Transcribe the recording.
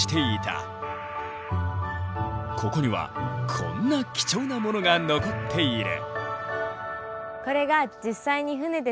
ここにはこんな貴重なものが残っている。